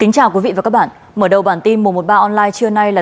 cảm ơn các bạn đã theo dõi